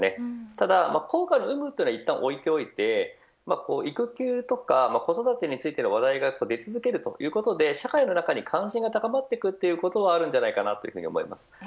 ただ効果の有無はいったん置いておいて育休とか子育てについての話題が出続けるということで社会の中の関心が高まっていくことはあると思います。